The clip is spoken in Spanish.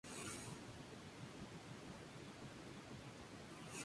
Joseph Dawson